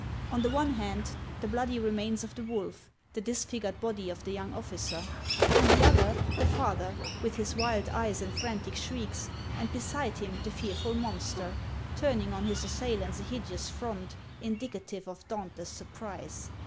On the one hand, the bloody remains of the wolf, the disfigured body of the young officer; on the other, the father, with his wild eyes and frantic shrieks ; and beside him the fearful monster, HANS OF ICELAND. 293 turning on his assailants a hideous front, indicative of dauntless surprise.